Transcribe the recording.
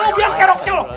lu biang kaya rokeh lu